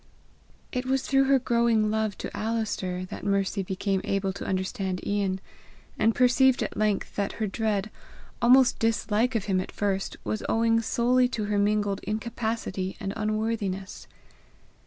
It was through her growing love to Alister that Mercy became able to understand Ian, and perceived at length that her dread, almost dislike of him at first, was owing solely to her mingled incapacity and unworthiness.